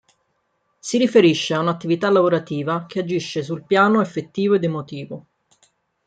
Si riferisce a un'attività lavorativa che agisce sul piano affettivo ed emotivo.